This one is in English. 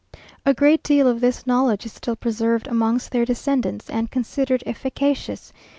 A great deal of this knowledge is still preserved amongst their descendants, and considered efficacious.